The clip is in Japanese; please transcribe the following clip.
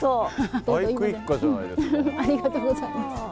ありがとうございます。